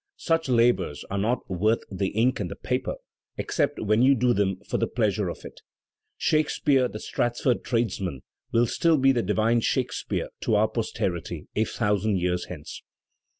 Such labors are not worth the ink & the paper — except when you do them for the pleasure of it. Shakespeare the Strat ford tradesman will still be the divine Shakespeare to our posterity a thousand years hence.